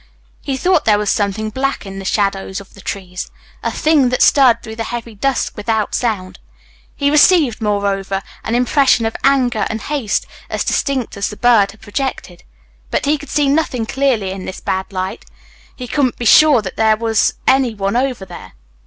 He thought there was something black in the black shadows of the trees a thing that stirred through the heavy dusk without sound. He received, moreover, an impression of anger and haste as distinct as the bird had projected. But he could see nothing clearly in this bad light. He couldn't be sure that there was any one over there.